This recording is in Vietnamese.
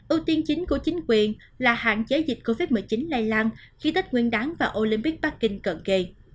ưu tiên chính của chính quyền là hạn chế dịch covid một mươi chín lây lan khi tết nguyên đảng và olympic parking cận kỳ